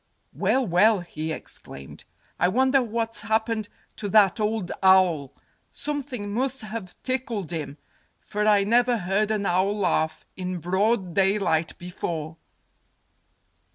"Well, well!" he exclaimed. "I wonder what's happened to that old owl! Something must have tickled him—for I never heard an owl laugh in broad daylight before."